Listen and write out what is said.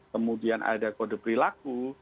kemudian ada kode perilaku